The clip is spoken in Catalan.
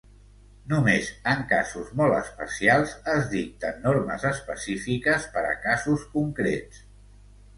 Només en casos molt especials es dicten normes específiques per a casos concrets.